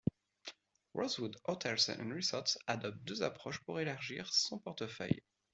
Rosewood Hotels & Resorts adopte deux approches pour élargir son portefeuille.